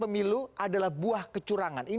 pemilu adalah buah kecurangan